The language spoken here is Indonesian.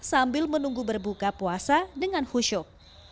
sambil menunggu berbuka puasa dengan khusyuk